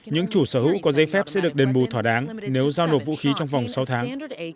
những chủ sở hữu có dây phép sẽ được đền bù thỏa đáng nếu giao nộp vũ khí trong vòng sáu tháng